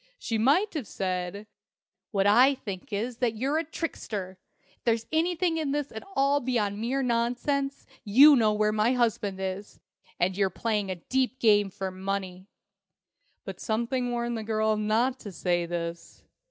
She might have said, "What I think is, that you're a trickster. If there's anything in this at all beyond mere nonsense, you know where my husband is, and you're playing a deep game for money." But something warned the girl not to say this.